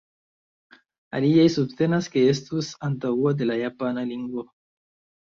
Aliaj subtenas ke estus antaŭa de la japana lingvo.